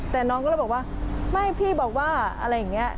แต่น้องก็เลยบอกว่าไม่พี่บอกว่าอะไรอย่างนี้